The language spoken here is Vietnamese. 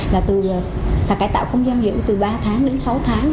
là từ cải tạo công giam giữ từ ba tháng đến sáu tháng